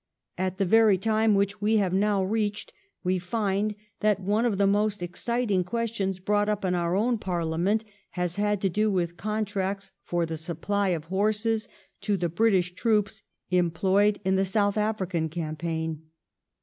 At the very time which we have now reached we find that one of the most exciting questions brought up in our own Parliament has had to do with contracts for the supply of horses to the British troops employed in the South African campaign.